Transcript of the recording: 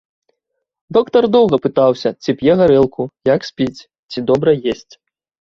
Доктар доўга пытаўся, ці п'е гарэлку, як спіць, ці добра есць.